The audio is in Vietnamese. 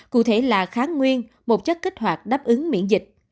cụ thể là kháng nguyên một chất kích hoạt đáp ứng miễn dịch